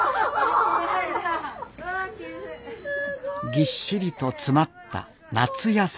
ぎっしりと詰まった夏野菜。